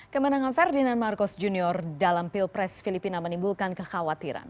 kemenangan ferdinand marcos junior dalam pilpres filipina menimbulkan kekhawatiran